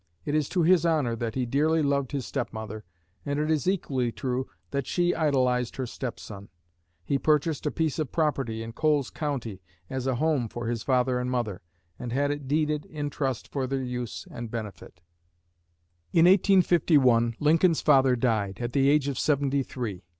It is to his honor that he dearly loved his step mother, and it is equally true that she idolized her step son. He purchased a piece of property in Coles County as a home for his father and mother, and had it deeded in trust for their use and benefit." In 1851 Lincoln's father died, at the age of seventy three.